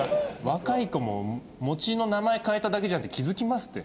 若い子ももちの名前変えただけじゃんって気づきますって。